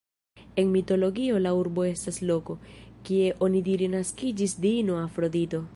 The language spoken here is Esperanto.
En mitologio la urbo estas loko, kie onidire naskiĝis diino Afrodito.